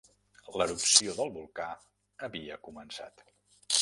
L'erupció del volcà havia començat.